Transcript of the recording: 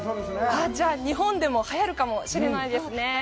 じゃあ日本でもはやるかもしれないですね。